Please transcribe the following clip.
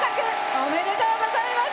おめでとうございます。